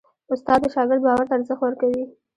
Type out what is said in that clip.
استاد د شاګرد باور ته ارزښت ورکوي.